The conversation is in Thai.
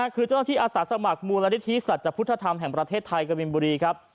คือเจ้าที่อาสาสมัครมูลลิธิศัตริย์จัดพุทธธรรมแห่งประเทศไทยกบินบุรีครับ